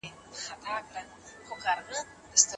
هېر مي دي ښایسته لمسیان ګوره چي لا څه کیږي